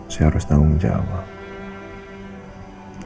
saya harus tanggung jawab